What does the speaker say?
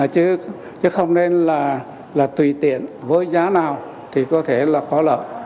chứ không nên là tùy tiện với giá nào thì có thể là có lợi